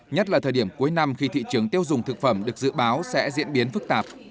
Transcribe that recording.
nhất là thời điểm cuối năm khi thị trường tiêu dùng thực phẩm được dự báo sẽ diễn biến phức tạp